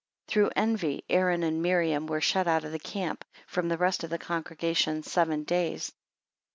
7 Through envy Aaron and Miriam were shut out of the camp, from the rest of the congregation seven days.